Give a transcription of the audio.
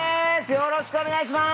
よろしくお願いします！